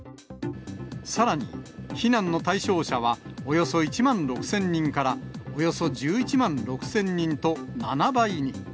さらに、避難の対象者はおよそ１万６０００人からおよそ１１万６０００人と、７倍に。